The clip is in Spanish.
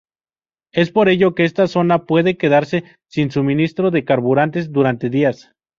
Es por ello que esta zona puede quedarse sin suministro de carburantes durante días.